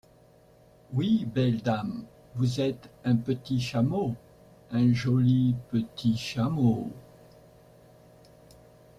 Oui, belle dame, vous êtes un petit chameau, un joli petit chameau…